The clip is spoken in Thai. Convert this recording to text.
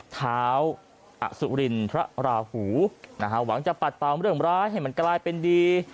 เท้าอสุรินทราหูนะฮะหวังจะปัดเป่าเรื่องร้ายให้มันกลายเป็นดี